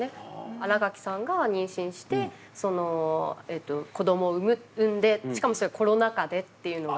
新垣さんが妊娠して子供を産んでしかもそれがコロナ禍でっていうのが。